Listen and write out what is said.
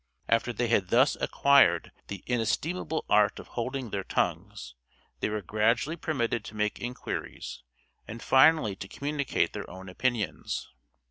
After they had thus acquired the inestimable art of holding their tongues they were gradually permitted to make inquiries, and finally to communicate their own opinions.